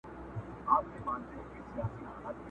عمر تېر سو کفن کښ د خدای په کار سو٫